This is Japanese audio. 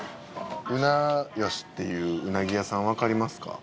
うなよしっていううなぎ屋さんわかりますか？